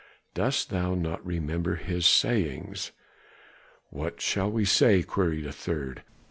"Dost thou not remember his sayings?" "What shall we say?" queried a third.